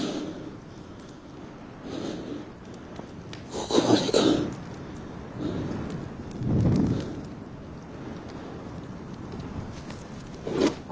ここまでか。